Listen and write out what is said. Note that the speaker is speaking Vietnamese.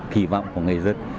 kỳ vọng của người dân